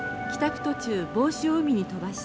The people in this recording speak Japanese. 途中帽子を海に飛ばした。